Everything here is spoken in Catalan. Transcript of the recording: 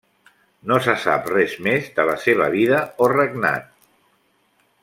No se sap res més de la seva vida o regnat.